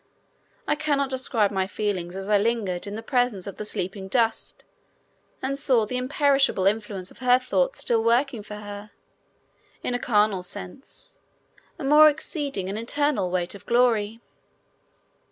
I cannot describe my feelings as I lingered in the presence of the sleeping dust and saw the imperishable influence of her thoughts still working for her, in a carnal sense, "a more exceeding and eternal weight of glory."